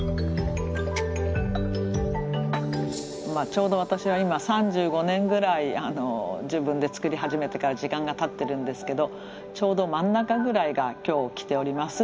ちょうど私は今３５年ぐらい自分で作り始めてから時間がたってるんですけどちょうど真ん中ぐらいが今日来ております